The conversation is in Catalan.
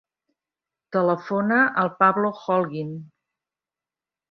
Telefona al Pablo Holguin.